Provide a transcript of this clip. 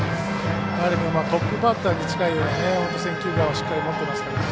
トップバッターに近いような選球眼をしっかり持ってますからね。